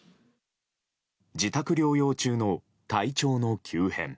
自宅療養中の体調の急変。